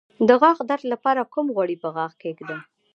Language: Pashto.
د غاښ درد لپاره کوم غوړي په غاښ کیږدم؟